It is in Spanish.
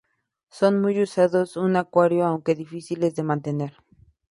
Son muy usados en acuarios, aunque difíciles de mantener.